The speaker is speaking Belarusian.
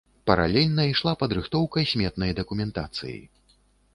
Паралельна ішла падрыхтоўка сметнай дакументацыі.